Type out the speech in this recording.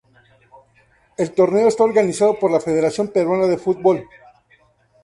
El torneo está organizado por la Federación Peruana de Fútbol.